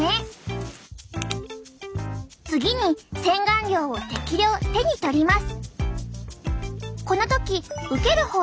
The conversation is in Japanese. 次に洗顔料を適量手に取ります。